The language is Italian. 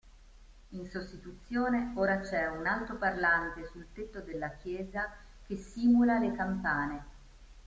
In sostituzione ora c’è un altoparlante sul tetto della chiesa che simula le campane.